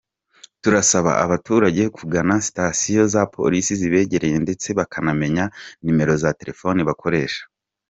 Turasaba abaturage kugana sitasiyo za polisi zibegereye ndetse bakanamenya nimero za terefoni bakoresha.